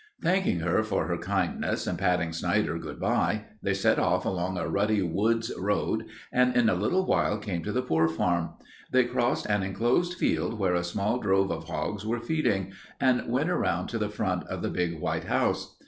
Thanking her for her kindness, and patting Snider good by, they set off along a rutty woods road and in a little while came to the Poor Farm. They crossed an inclosed field where a small drove of hogs were feeding, and went around to the front of the big white house.